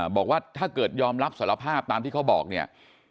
บอกว่าถ้าเกิดยอมรับสารภาพตามที่เขาบอกเนี่ย